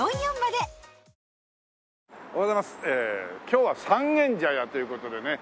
今日は三軒茶屋という事でね。